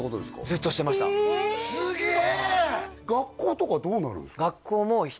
ずっとしてましたすげえ！